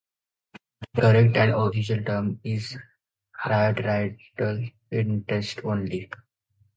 The correct and original term is proprietorial interest only.